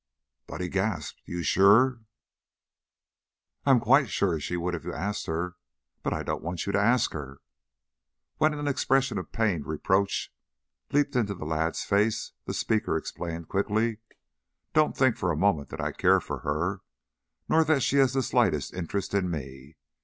Buddy gasped. "You sure?" "I'm quite sure she would if you asked her. But I don't want you to ask her." When an expression of pained reproach leaped into the lad's face, the speaker explained, quickly: "Don't think for a moment that I care for her, nor that she has the slightest interest in me.